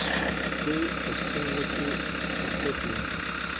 دوی په ستونزو کې فرصت ویني.